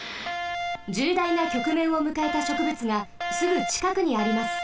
じゅうだいなきょくめんをむかえたしょくぶつがすぐちかくにあります。